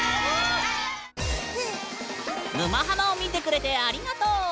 「沼ハマ」を見てくれてありがとう！